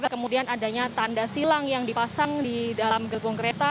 kemudian adanya tanda silang yang dipasang di dalam gerbong kereta